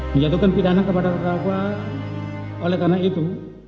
menjatuhkan pidana kepada terdakwa oleh karena itu